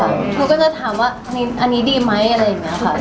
หนูก็จะถามว่าอันนี้ดีไหมอะไรอย่างนี้ค่ะ